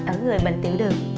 ở người bệnh tiểu đường